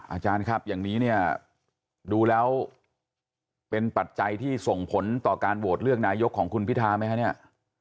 อาจารย์ครับอย่างนี้เนี่ยดูแล้วเป็นปัจจัยที่ส่งผลต่อการโหวตเลือกนายกของคุณพิธาไหมคะเนี่ย